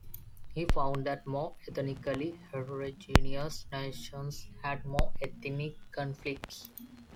He found that more ethnically heterogeneous nations had more ethnic conflicts.